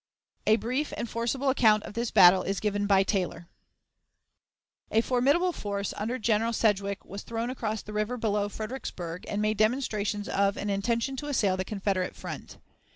A brief and forcible account of this battle is given by Taylor: "A formidable force under General Sedgwick was thrown across the river below Fredericksburg, and made demonstrations of an intention to assail the Confederate front.